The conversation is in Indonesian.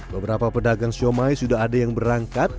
beberapa pedagang siomay sudah ada yang berangkat